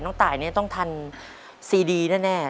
น้องตายต้องทันซีดีแน่